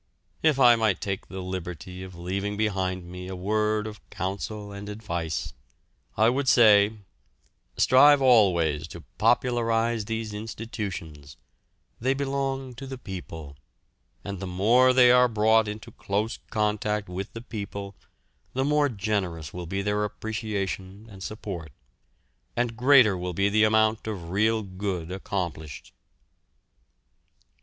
If I might take the liberty of leaving behind me a word of counsel and advice, I would say strive always to popularise these institutions; they belong to the people, and the more they are brought into close contact with the people the more generous will be their appreciation and support, and greater will be the amount of real good accomplished.